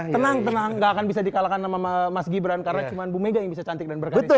tenang tenang gak akan bisa di kalahkan sama mas gibran karena cuma bumegawati yang bisa cantik dan berkarisma